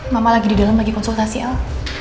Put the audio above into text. mama lagi di dalam lagi konsultasi al